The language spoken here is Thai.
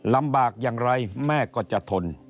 ลำบากอย่างไรแม่ก็จะทน